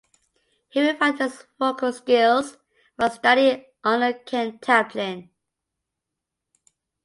He refined his vocal skills while studying under Ken Tamplin.